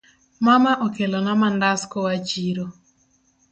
Mama okelona mandas koa chiro.